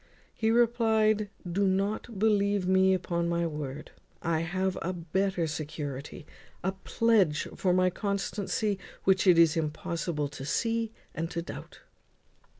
He replied, "Don't believe me upon my word; I have a better security, a pledge for my constancy, which it is impossible to see and to doubt."